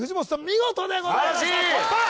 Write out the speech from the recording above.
見事でございました突破！